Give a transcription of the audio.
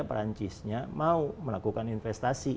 perancisnya mau melakukan investasi